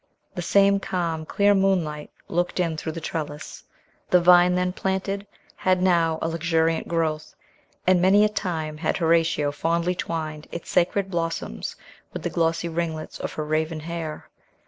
The same calm, clear moonlight looked in through the trellis. The vine then planted had now a luxuriant growth; and many a time had Horatio fondly twined its sacred blossoms with the glossy ringlets of her raven hair.